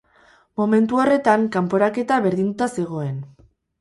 Momentu horretan kanporaketa berdinduta zegoen.